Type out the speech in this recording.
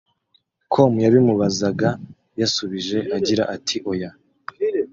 com yabimubazaga yasubije agira ati “Oya